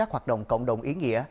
hoạt động cộng đồng ý nghĩa